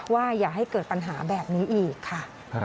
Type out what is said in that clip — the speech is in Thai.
อย่าให้เกิดปัญหาแบบนี้อีกค่ะ